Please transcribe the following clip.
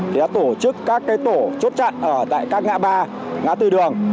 thì đã tổ chức các cái tổ chốt trận ở tại các ngã ba ngã tư đường